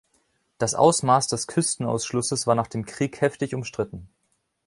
Das Ausmaß des Küstenausschlusses war nach dem Krieg heftig umstritten.